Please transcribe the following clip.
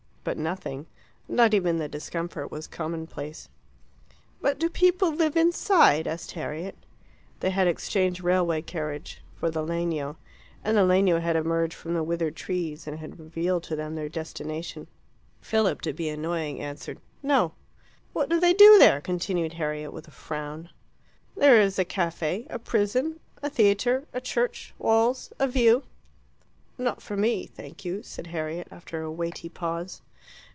But nothing not even the discomfort was commonplace. "But do people live inside?" asked Harriet. They had exchanged railway carriage for the legno, and the legno had emerged from the withered trees, and had revealed to them their destination. Philip, to be annoying, answered "No." "What do they do there?" continued Harriet, with a frown. "There is a caffe. A prison. A theatre. A church. Walls. A view." "Not for me, thank you," said Harriet, after a weighty pause.